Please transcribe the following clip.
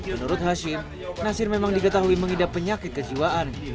menurut hashim nasir memang diketahui mengidap penyakit kejiwaan